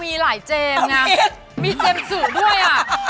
มีเจมสุด้วย